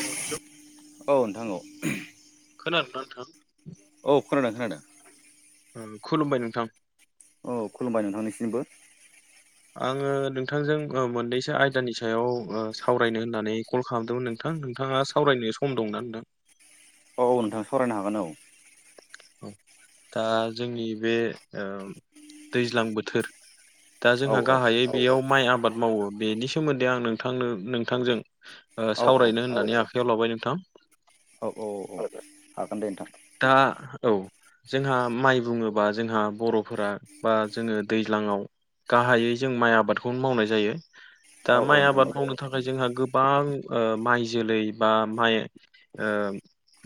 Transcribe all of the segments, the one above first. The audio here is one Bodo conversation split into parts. अ हेल' औ नोंथां औ खोनादोंना नोंथां? औ खोनादों खोनादों। ओ खुलुमबाय नोंथां। औ खुलुमबाय नोंथांनिसिमबो। आंङो नोंथांजों ओ मोननैसो आयदानि सायाव ओ सावरायनो होननानै कल खालामदोंमोन नों थां नोंथाङा सावरायनो सम दंना नोंथां? औ औ नोंथां सावरायनो हागोन औ। औ दा जोंनि बे ओ दैज्लां बोथोर दा औ जोंहा गाहायै बेयाव माइ आबाद मावो बेनि सोमोन्दै आं नोंथांनो नोंथांजों औ ओ सावरायनो होननानै आखायाव लाबाय नोंथां। औ औ औ औ हागोन दे नोंथां। दा औ जोंहा माइ बुंङोबा जोंहा बर'फोरा बा जोङो दैज्लाङाव गाहायै जों माइ आबादखौनो मावनाय जायो औ दा औ माइ नोंथां आबाद मावनो थाखाय जोंहा गोबां ओ माइ जोलै बा माइ ओ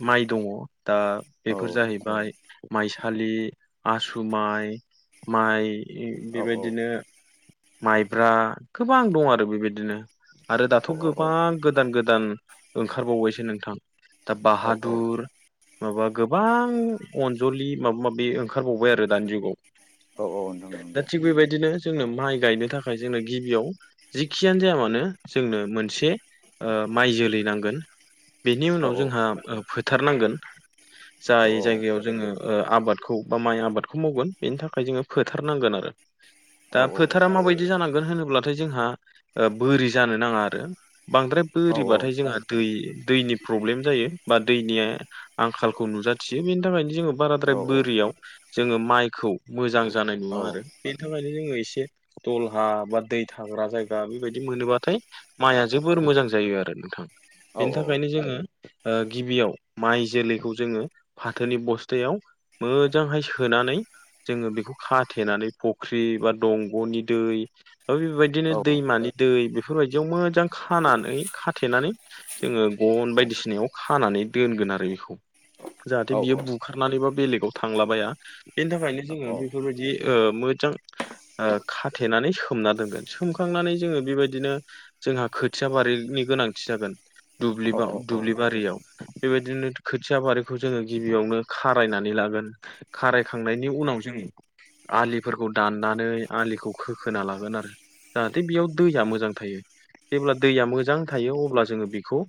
माइ दङ दा औ बेफोर जाहै माइ माइसालि आसु माइ माइ औ बेबायदिनो माइब्रा गोबां दं आरो बेबायदिनो। आरो दाथ' गोबां गोदान गोदान ओंखारबावबायसो नोंथां। दा औ औ बाहादुर माबा गोबां अनजलि माबा माबि ओंखारबावबाय आरो दानि जुगाव। औ औ नोंथां। दा नंगौ थिग बेबायदिनो जोंनो माइ गायनो थाखाय जोंनो गिबियाव जिखियानो जाया मानो जोंनो मोनसे ओ माइ जोलै नांगोन। बेनि औ उनाव जोंहा ओ फोथारनांगोन औ जाय जायगायाव जोङो ओ आबादखौ बा माइ आबादखौ मावगोन बेनि थाखाय जोङो फोथारनांगोन आरो। औ दा फोथारा माबायदि जानांगोन होनोब्लाथाय जोंहा ओ बोरि जानो नाङा आरो। बांद्राय औ औ बोरिबाथाय औ जोंहा दै दैनि प्रब्लेम जायो बा दैनिया आंखालखौ नुजाथियो बेनि थाखायनो जोङो औ बाराद्राय औ बोरियाव जोङो माइखौ मोजां जानाय उम औ नुवा आरो बेनि थाखायनो जोङो एसे दलहा बा दै थाग्रा जायगा बेबायदि मोनोबाथाय माइआ जोबोर मोजां जायो आरो नोंथां बेनि थाखायनो जोङो ओ गिबियाव माइ जोलैखौ जोङो फाथोनि बस्थायाव मोजांहाय सोनानै जोङो बेखौ खाथेनानै फुख्रि बा दंग'नि दै ओ बेबायदिनो औ दैमानि दै बेफोरबायदियाव मोजां खानानै खाथेनानै जोङो गन बायदिसिनायाव खानानै दोनगोन आरो बिखौ जाहाथे औ बियो बुखारनानैबा बेलेगाव थांलाबाया बेनि थाखायनो जोङो बेफोरबायदि ओ मोजां ओ खाथेनानै सोमना दोनगोन सोमखांनानै जोङो बेबायदिनो जोंहा खोथिया बारिनि गोनांथि जागोन। दुलिबाव दुब्लि बारियाव बेबायदिनो खोथिया बारि खौ जोङो गिबियावनो खारायनानै लागोन खारायखांनायनि उनाव जों आलिफोरखौ दाननानै आलिखौ खोखोना लागोन आरो। जाहाथे बेयाव दैया मोजां थायो जेब्ला दैया मोजां थायो अब्ला जोङो बेखौ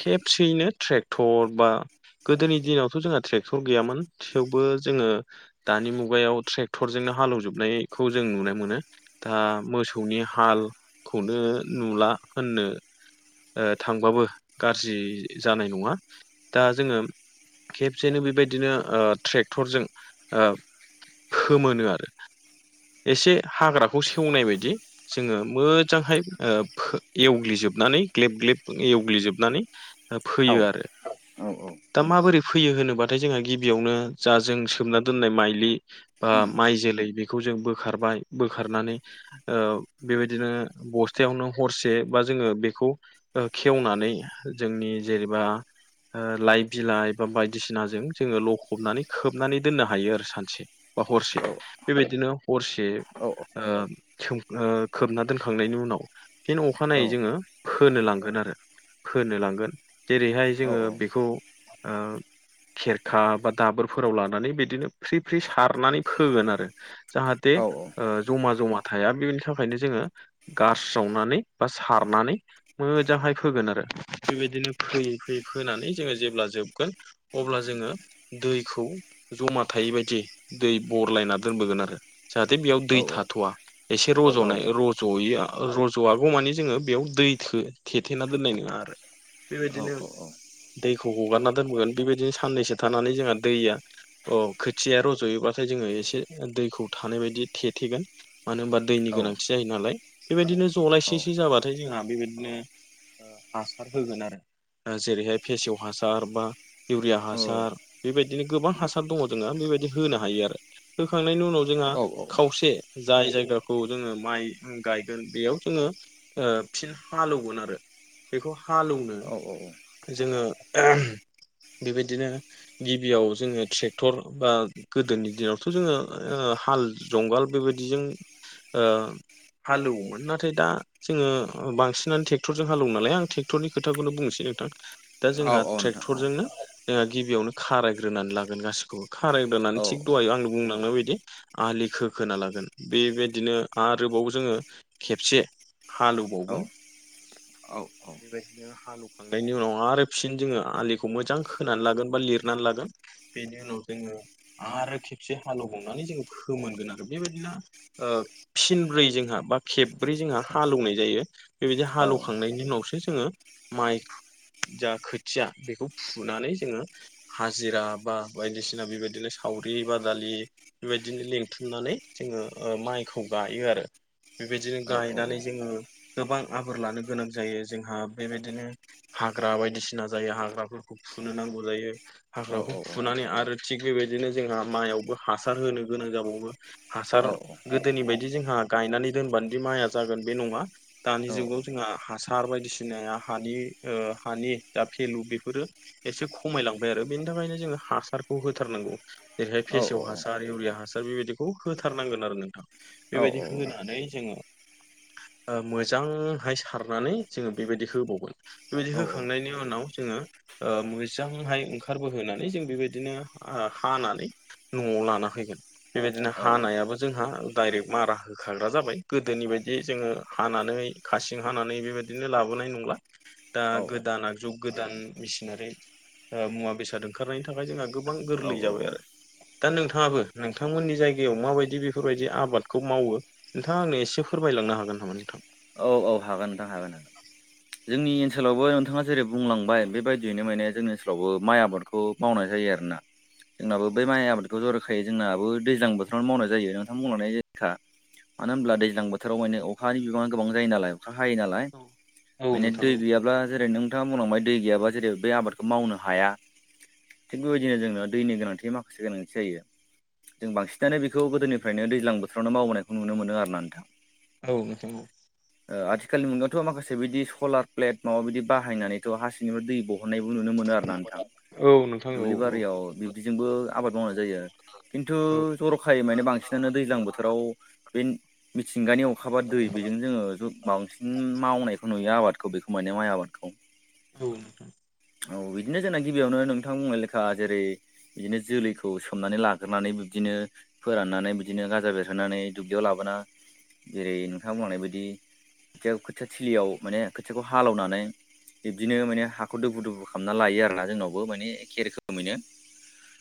खेबसेयैनो ट्रेक्टर बा गोदोनि दिनावथ' जोंहा ट्रेक्टर गैयामोन थेवबो जोङो दानि मुगायाव ट्रेक्टरजोंनो हालेवजोबनायखौ जों नुनो मोनो। दा मोसौनि हालखौनो नुला होननो ओ थांबाबो गाज्रि जानाय नङा दा जोङो खेबसेनो बेबायदिनो ओ ट्रेक्टरजों ओ फोमोनो आरो। एसे हाग्राखौ सेवनाय बायदि जोङो मोजांहाय ओ फो एवग्लिजोबनानै ग्लेब ग्लेब एवग्लिजोबनानै ओ फैयो आरो दा माबोरै फैयो होनोबाथाय जोंहा गिबियावनो जा जों सोमना दोननाय माइलि बा माइ जोलै बे बेखौ जों बोखारबाय बोखारनानै ओ बेबायदिनो बस्थायावनो हरसे बा जोङो बिखौ ओ खेवनानै जोंनि जेनेबा ओ लाइ बिलाइ बा बायदिसिनाजों जोङो लखबनानै खोबनानै दोननो हायो आरो सानसे बा हरसे बेबायदिनो हरसे ओ खे खोबना दोनखांनायनि उनाव फिन अखानायै जोङो फोनो लांगोन आरो फोनो लांगोन जेरैहाय जोङो बेखौ ओ खेरखा बा दाबोरफोराव लानानै बिदिनो फ्रि फ्रि सारनानै फोगोन आरो जाहाथे औ औ ओ जमा जमा थाया बेनि थाखायनो जोङो गारस्रावनानै बा सारनानै मोजांहाय फोगोन आरो बेबायदिनो फोयै फोयै फोनानै जोङो जेब्ला जोब गोन अब्ला जोङो दैखौ जमा थायै बायदि दै बरलायना दोनबोगोन आरो जाहाथे बेयाव दै औ थाथ'वा एसे रज'नाय र'ज ज'यो रज'वागौ मानि जोङो बेयाव दै थो थेथेना दोननाय नङा आरो बेबायदिनो औ दैखौ हगारना दोनबोगोन बेबायदिनो साननैसो थानानै जोंहा दैया अ खोथिया रज'योबाथाय जोङो एसे दैखौ थानाय बायदि थेथेगोन मानो होनबा दैनि गोनांथि जायो नालाय बेबायदिनो जलायसेसो जाबाथाय जोंहा बेबायदिनो ओ हासार होगोन आरो जेरैहाय फेसेव हासार बा इउरिया हासार बेबायदिनो गोबां हासार दङ जोंहा बेबायदि होनो हायो आरो होखांनायनि उनाव जोंहा औ औ खावसे जाय जायगाखौ जोङो माइ गायगोन बेयाव जोङो ओ फिन हालौगोन आरो बेखौ हालौनो औ नोंथां औ जोङो [unintelligible] बिबायदिनो गिबियाव जोङो ट्रेक्टर बा गोदोनि दिनावथ' जोङो ओ हाल जंगाल बेबायदिजों ओ हालौमोन नाथाय दा जोङो ओ बांसिनानो ट्रेक्टरजों हालौ नालाय आं ट्रेक्टरनि खोथाखौनो बुंनोसै नोंथां दा जोंहा ट्रेक्टरजोंनो जोंहा गिबियावनो खारायग्रोनानै लागोन गासिखौबो खारायग्रोनानै थिग दहायो आं बुंलांनाय बायदि आलि खो खोना लागोन बेबायदिनो आरोबाव जोङो खेबसे हालौबावगोन बेबायदिनो हालवखांनायनि उनाव आरो फिन जोङो आलिखौ मोजां खोनानै लागोन बा लिरनानै लागोन बेनि उनाव जोङो आरो खेबसे हालेवावनानै जोङो फोमोनगोन आरो बेबायदिनो ओ फिनब्रै जोंहा बा खेबब्रै जोंहा हालौनाय जायो बेबायदि हालौखांनायनि उनावसो जोङो माइ जा खोथिया बेखौ फुनानै जोङो हाजिरा बा बायदिसिना बेबायदिनो सावरि बादालि बिबायदिनो लिंथुमनानै जोङो माइखौ गायो आरो बेबायदिनो गायनानै जोङो गोबां आबोर लानो गोनां जायो जोंहा बेबायदिनो हाग्रा बायदिसिना जायो हाग्राफोरखौ फुनो नांगौ जायो हाग्राखौ फुनानै आरो थिग बेबायदिनो जोंहा माइआवबो हासार होनो गोनां जाबावो हासार गोदोनि बायदि जोंहा गायनानै दोनबानोदि माइया जागोन बे नङा दानि जुगाव जोंहा हासार बायदिसिनाया हानि ओ हानि जा भेलु बेफोरो एसे खमाय लांबाय आरो बेनि थाखायनो जोङो हासारखौ होथारनांगौ। जेरैहाय फेसेव हासार इउरिया हासार बेबायदिखौ होथारनांगोन आरो नोंथां। बेबायदि होनानै जोङो ओ मोजांहाय सारनानै जोङो बेबायदि होबावगोन बेबायदि होखांनायनि उनाव जोङो। ओ मोजांहाय ओंखारबोहोनानै जों बेबायदिनो हानानै न'आव लाना फैगोन बेबायदिनो हानायाबो जोंहा डाइरेक्ट मारा होखाग्रा जाबाय गोदोनि बायदि जोङो हानानै खासिं हानानै बेबायद दिनो लाबोनाय नंला दा गोदान आगजु गोदान मेचिनारि ओ मुवा बेसाद ओंखारनायनि थाखाय जोंहा गोबां औ गोरलै हागोन जाबाय आरो। दा नोंथाङाबो नोंथांमोननि जायगायाव माबायदि बेफोरबायदि आबादखौ मावो। नोंथाङा आंनो एसे फोरमायलांनो हागोन नामा नोंथां? औ औ हागोन नोंथां हागोन। जोंनि ओनसोलावबो नोंथाङा जेरै बुंलांबाय बेबायदियैनो माने जोंनि ओनसोलावबो माइ आबादखौ मावनाय जायो आरोना। [inaudible] जोंनाबो बै माइ आबादखौ ज'रखायै जोंनाबो दैज्लां बोथोरावनो मावनाय जायो नोंथां बुंलांनाय जखा। मानो होनोमब्ला दैजां बोथोराव माने अखानि बिबां गोबां जायो नालाय अखा हायो नालाय औ औ माने नोंथां दै औ गैयाबा जेरै नों नोंथां उनावहाय दै गैयाबा जेरै बे आबादखौ मावनो हाया। थिग बेबायदिनो जोंनो दैनि गोनांथि माखासे गोनांथि जायो। जों बांसिनानो बेखौ गोदोनिफ्रायनो दैजां बोथोरावनो मावबोनायखौ नुनो मोनो आरोना नोंथां। औ नोंथां औ ओ आथिखालनि मुगायावथ' माखासे बिदि सलार प्लेट माबा बियदि बाहायनानैथ' हा सिंनिबो दै बहन हननायखौ नुनो मोनो आरोना नोंथां औ नोंथां औ दुब्लि बारियाव बि जोंबो आबाद मावनाय जायो खिन्थु औ जर'खायै माने बांसिनानो दैज्लां बोथोराव। बे मिथिंगानि अखााबा दै बेजों जोङो ज बांसिन मावनायखौ नुयो आबादखौ बेखौ माने माइ आबादखौ। औ नोंथां औ बिदिनो जोंना गिबियावनो नोंथां बुंनाय लेखा जेरै बिदिनो जोलैखौ सोमनानै लाग्रोनानै बिब्दिनो फोराननानै बिदिनो गाजा बेरहोनानै दुब्लियाव लाबोना जेरै नोंथांमोननाय बिदि खोथिया खोथिया थिलियाव माने खोथियाखौ हालेनानै बिब्दिनो माने हाख हाखौ दुफु दुफु खालामना लायो आरोना जोंनावबो माने एखे रोखोमैनो।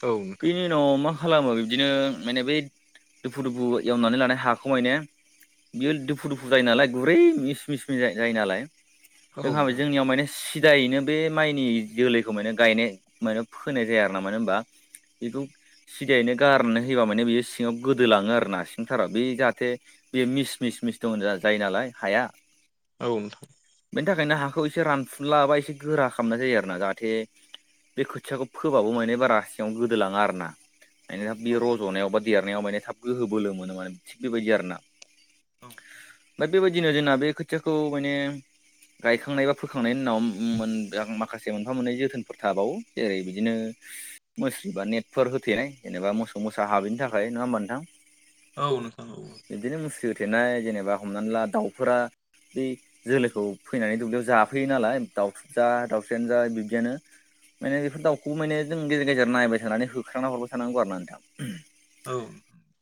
औ नोंथां। जोंनाव मा खालामो बिबदिनो माने बै दुफु दुफु एवनानै लानाय हाखौ माने बियो दुफु दुफु जायो नालाय गुरै मिस मिसमन जायो नालाय। औ जोंहाबो नोंथां जोंनियाव माने सिदायैनो बे माइनि जोलैखौ माने गायनाय मेनो फोनाय जाया आरोना मानो होनबा बेखौ सिदायैनो गारनानै होयोबा माने बेयो सिङाव गोदोलाङो आरोना सिंथारा बे जाहाथे बे मिस मिस मिस दं जायो नालाय हाया। औ नोंथां। बेनि थाखायनो हाखौ एसे रानफुनला एबा एसे गोरा खालामनाय जायो आरोना जाहाथे बे खोथियाखौ फोबाबो माने बारा सिङाव गोदोलाङा आरोना। माने बे औ रज'नायाव बा देरनायाव माने थाब गोहो बोलो मोनो माने थिग बेबायदि आरोना। औ दा बेबायदिनो जोंना बे खोथियाखौ माने गायखांनाय बा फोखांनायनि उनाव। मोन माखासे मोनफा मोननै जोथोनफोर थाबावो जेरै बिदिनो मुस्रि बा नेटफोर होथेनाय जेनेबा मोसौ मोसा हाबैनि थाखाय नङा होमबा नोंथां। औ नोंथां औ बिदिनो मुस्रि होथेनाय जेनेबा हमनानै ला दाउफोरा। बे जोलैखौ फैनानै दुब्लियाव जाफैयो नालाय दाउथुब जा दाउस्रानो जा बिब्दियानो माने बेफोर दाउखौबो माने जों गेजेर गेजेर नायबाय थानानै होखांना हरबाय थानांगौ आरो ना नोंथां औ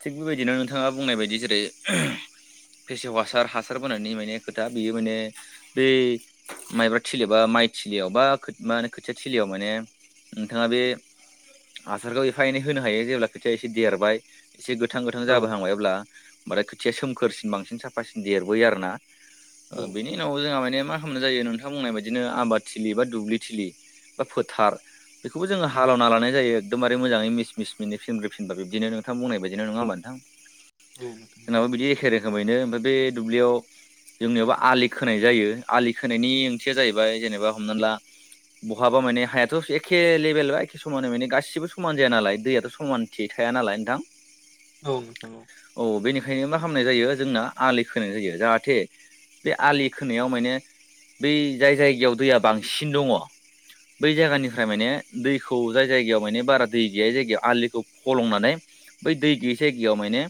थिग बेबायदिनो नोंथाङा बुंनाय बायदि जेरै फेसेव हासार हासार बोननि माने खोथा बेयो माने बे माइबा थिलियाव बा माइ थिलियाव बा मा होनो खोथिया थिलियाव माने नोंथाङा बे हासारखौ एफा एनै होनो हायो जेब्ला खोथिया एसे देरबाय एसे गोथां गोथां औ जाबोहांबायब्ला ओमफ्राय खोथिया सोमखोरसिन बांसिन साफासिन देरबोयो आरोना। ओ बिनि उनाव जोंहा माने मा खालामनाय जायो नोंथां बुंनाय बाददिनो आबाद थिलि बा दुब्लिथिलि बा फोथार बेखौबो हालेवना लानाय जायो एकदबारे मोजाङै मिस मिस मिनि फिनब्रै फिनबा बिदिनो नोंथां बुंनायायदि नङा होमबा नोंथां? औ बिदि हेरो। रोखोमैनो ओमफ्राय बे दुब्लियाव जोंनियावाबबो आलि खोनाय जायो आलि खोनायनि ओंथिया जाहैबाय जेनेबा हमनानै ला बहाबा माने हायाथ' एखे लेभेलबा एखे समानै माने गासिबो समान जाया नालाय, दैयाथ' समान थिकाया नालाय नोंथां। औ नंगौ। औ बेनिखायनो मा खालामनाय जायो जोंना आलि खोनाय जायो जाहाथे बे आलि खोनायाव माने बै जाय जायगायाव दैया बांसिन दङ बै जायगानिफ्राय माने दैखौ जाय जायगायाव माने बारा दै गैया जायगायाव आलिखौ फलंनानै बै दै गैयै जायगायाव माने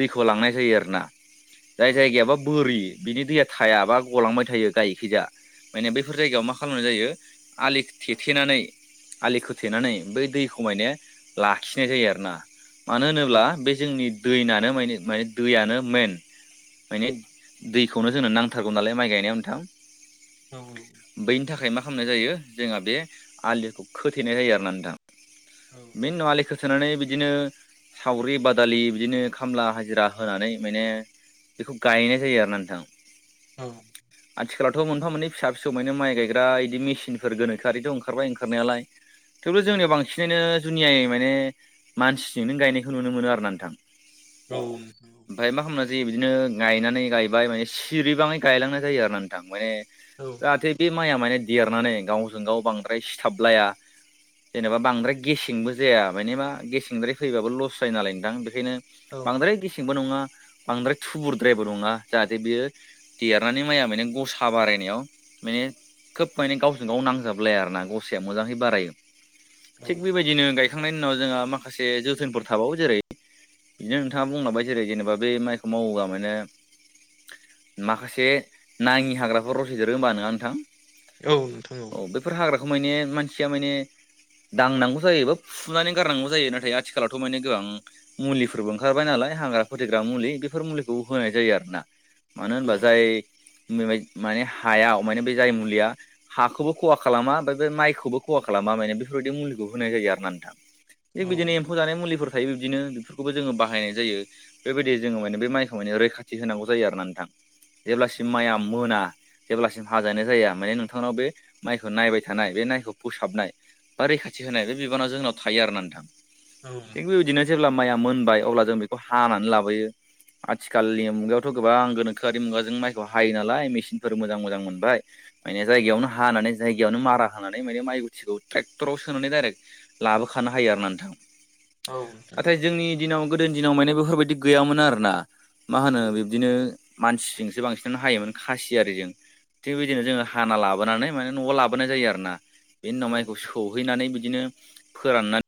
दैखौ लांनाय जायो आरोना। जाय औ जायगायाबा बोरि बिनि दैया थायाबा गलांबाय थायो गायिखैजा माने बैफोर जायगायाव मा खालामनाय जायो आलि थेथेनानै आलि खोथेनानै बै दैखौ मायने लाखिनाय जायो आरोना, मानो होनोब्ला औ बे जोंनि दैनानो माने माने दैयानो मेइन। माने दैखौनो जोंनो नांथारगौ नालाय माइ गायनायाव नोंथां। औ बैनि थाखाय मा खालामनाय जायो जोंहा बे आलिखौ खोथेनाय जायो आरोना नोंथां। बेनि उनाव आलि खो थेनानै बिदिनो सावरि बादालि, बिदिनो खामला हाजिरा होनानै माने बेखौ गायनाय जायो आरो ना नोंथां। औ। आथिखालावथ' मोनफा मोननै फिसा फिसौ मानानि माइ गायग्रा इदि मेसिनफोर गोनोखोआरिथ' ओंखारबाय ओंखारनायालाय। थेवबो जोंनियाव बांसिनैानो जुनियायै माने मानसिजोंनो गायनायखौ नुनो मोनो आरोना नोंथां। औ ओमफ्राय मा खालामनाय जायो, बिदिनो गायनानै गायबाय माने सिरिबाङै गायलांनाय जायो आरो ना नोंथां। माने जाहाथे बे माइया माने देरनानै गावजों गाव बांद्राय सिथाबलाया। जेनेबा बांद्राय गेसेंबो जाया मानि मा गेसेंद्राय फैबाबो लस जायो नालाय नोंथां, बेखायनो बांद्राय गेसेंबो नङा, बांद्राय थुबुरद्रायबो नङा जाहाथे बेयो देरनानै माइया माने गसा बारायो। माने खोब माने गावजों गाव नांजाबलाया आरोना गसाया मोजाङै बारायो। थिग बेबायदिनो गायखांनायनि उनाव जोंहा माखासे जोथोनफोर थाबावो जेरै बिदिनो नोंथाङा बुंलांबाय जेरै जेनेबा बे माइखौ मावोबा माने माखासे नाङि हाग्राफोर रज'देरो होमबा नङा नोंथां? औ नोंथां औ। बेफोर हाग्राखौ माने मानसिया माने दांनांगौ जायो बा फुनानै गारनांगौ जायो नाथाय आथिखालावथ' माने गोबां मुलिफोरबो ओंखारबाय नालाय हाग्रा फोथैग्रा मुलि बेफोर मुलिखौ होनाय जायो आरोना। मानो औ होनबा जाय बे माने हाया माने बे जाय मुलिया हाखौबो खहा खालामा ओमफ्राय बे माइखौबो खहा खालामा माने बेफोरबायदि मुलिखौ होनाय जायो आरोना नोंथां। थिग औ बिदिनो एम्फौ जानाय मुलिफोर थायो बिदिनो बेफोरखौबो जोङो बाहायनाय जायो। बेबायदि जोङो माने बे माइखौ माने रैखाथि होनांगौ जायो आरोना नोंथां जेब्लासिम माइआ मोना जेब्लासिम हाजानो जाया माने नोंथांनाव बे माइखौ नायबाय थानाय बे माइखौ फोसाबनाय बा रैखाथि होनाय बे बिबाना जोंनाव थायो आरोना नोंथां। थिग बेबायदिनो जेब्ला माइया मोनबाय अब्ला जों बेखौ हानानै लाबोयो। आथिखालनि मुगायावथ' गोबां गोनोखोआि मुगाजों माइखौ हायो नालाय मेसिन फोर मोजां मोजां मोनबाय माने जायगायावनो हानानै जायगायावनो मारा होनानै माने माइ गुथिखौ ट्रेक्टराव सोनानै डायरेक्ट लाबोखानो हायो आरोना नोंथां औ नाथाय जोंनि दिनाव गोदोनि दिनाव माने बेफोरबायदि गैयामोन आरोना मा होनो बिब्दिनो मानसिजोंसो बांसिनानो हायोमोन खासि थियारिजों थिग बिदिनो जोङो हाना लाबोनानै माने न'आव लाबोनाय जायो आरो ना बेनि उनाव माइखौ सौहैनानै बिदिनो फोराननानै